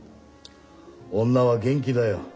女は元気だよ。